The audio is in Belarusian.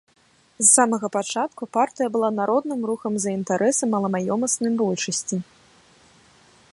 З самага пачатку партыя была народным рухам за інтарэсы маламаёмаснай большасці.